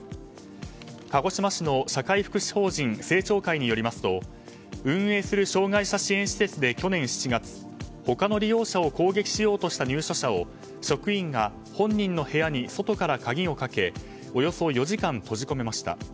鹿児島市の社会福祉法人青鳥会によりますと運営する障害者支援施設で去年７月他の利用者を攻撃しようとした入所者を職員が本人の部屋に外から鍵をかけおよそ４時間、閉じ込めました。